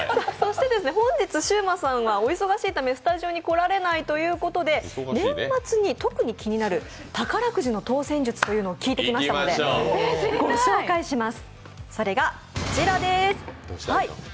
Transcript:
本日シウマさんはお忙しいためスタジオに来られないということで年末に特に気になる宝くじの当せん術というのを聞いてきましたのでご紹介します。